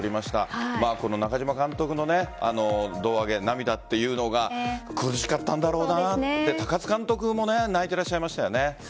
中嶋監督の胴上げ、涙というのが苦しかったんだろうなって高津監督も泣いていらっしゃいましたよね。